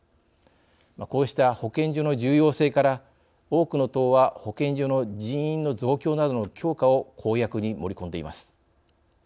こうした保健所の重要性から多くの党は保健所の人員の増強などの強化を公約に盛り込んでいます。